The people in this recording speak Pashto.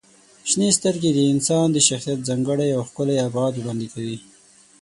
• شنې سترګې د انسان د شخصیت ځانګړی او ښکلی ابعاد وړاندې کوي.